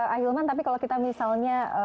ahilman tapi kalau kita misalnya